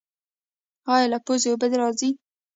ایا له پوزې اوبه راځي؟